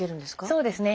そうですね。